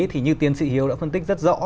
thì như tiến sĩ hiếu đã phân tích rất rõ